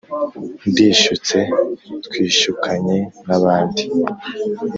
ndishyutse twishyukanye n'abandi